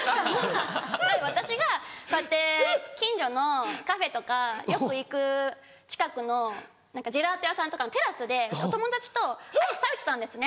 私がこうやって近所のカフェとかよく行く近くのジェラート屋さんとかのテラスでお友達とアイス食べてたんですね